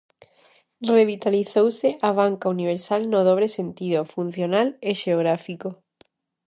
Revitalizouse a banca universal no dobre sentido: funcional e xeográfico.